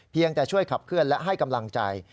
เพียงแต่ช่วยขับเคลื่อนและให้กำลังใจ